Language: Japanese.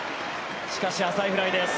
しかし、浅いフライです。